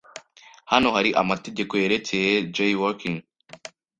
Hano hari amategeko yerekeye jaywalking?